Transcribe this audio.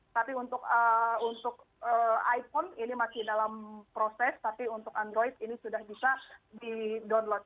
tapi untuk iphone ini masih dalam proses tapi untuk android ini sudah bisa di download